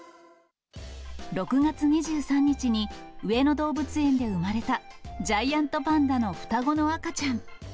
６月２３日に上野動物園で生まれたジャイアントパンダの双子の赤ちゃん。